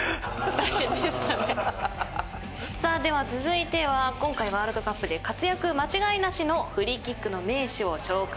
さあでは続いては今回ワールドカップで活躍間違いなしのフリーキックの名手を紹介します。